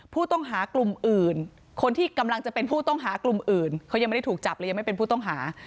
ผู้ต้องหากลุ่มอื่นคนที่กำลังจะเป็นผู้ต้องหากลุ่มอื่นเขายังไม่ได้ถูกจับและยังไม่เป็นผู้ต้องหา